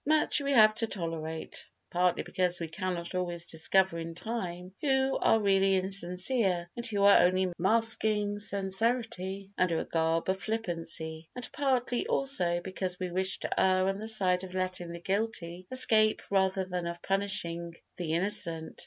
Much we have to tolerate, partly because we cannot always discover in time who are really insincere and who are only masking sincerity under a garb of flippancy, and partly also because we wish to err on the side of letting the guilty escape rather than of punishing the innocent.